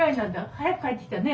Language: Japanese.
早く帰ってきたね。